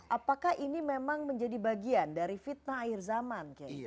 apakah ini bagian dari fitnah akhir zaman